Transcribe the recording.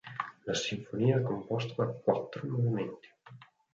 La sinfonia è composta da quattro movimenti.